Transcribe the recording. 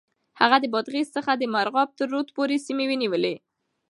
هغه د بادغيس څخه د مرغاب تر رود پورې سيمې ونيولې.